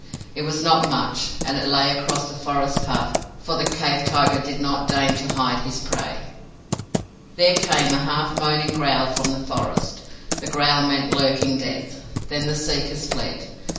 It was not much and it lay across the forest pathway, for the cave tiger did not deign to hide his prey. There came a half moaning growl from the forest. That growl meant lurking death. Then the seekers fled.